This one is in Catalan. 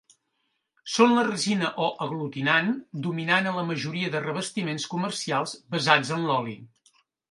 Són la resina o "aglutinant" dominant a la majoria de revestiments comercials "basats en l'oli".